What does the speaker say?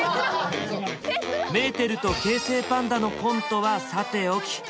メーテルと京成パンダのコントはさておき